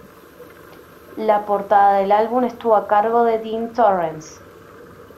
La portada del álbum estuvo a cargo de Dean Torrence.